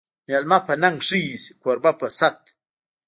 مېلمه په ننګ ښه ایسي، کوربه په صت